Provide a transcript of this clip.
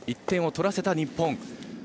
１点を取らせた日本。